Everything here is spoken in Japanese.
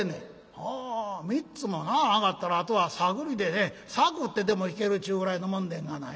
「はあ三つもな上がったらあとは探りで探ってでも弾けるっちゅうぐらいのもんでんがな。